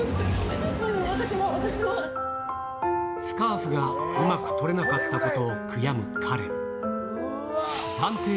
スカーフがうまく取れなかったことを悔やむカレン。